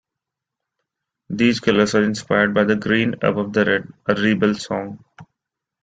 These colours are inspired by "The Green Above The Red", a rebel song.